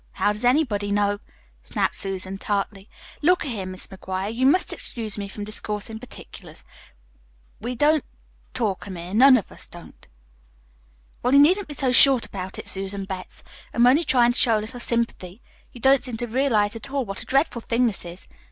How does anybody know?" snapped Susan tartly. "Look a here, Mis' McGuire, you must excuse me from discoursin' particulars. We don't talk 'em here. None of us don't." "Well, you needn't be so short about it, Susan Betts. I'm only tryin' to show a little sympathy. You don't seem to realize at all what a dreadful thing this is.